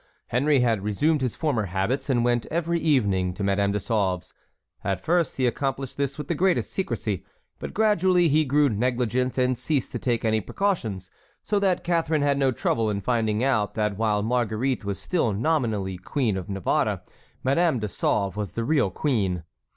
Henry had resumed his former habits and went every evening to Madame de Sauve's. At first he accomplished this with the greatest secrecy; but gradually he grew negligent and ceased to take any precautions, so that Catharine had no trouble in finding out that while Marguerite was still nominally Queen of Navarre, Madame de Sauve was the real queen.